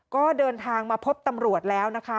ก็เดินทางมาพบตำรวจแล้วนะคะ